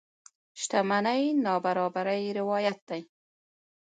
شتمنۍ نابرابرۍ روايت دي.